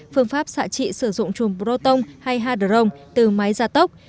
phương pháp xạ trị sử dụng chùm proton hay hader từ máy gia tốc